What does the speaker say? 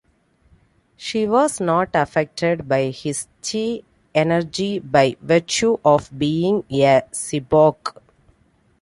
She was not affected by his chi energy by virtue of being a cyborg.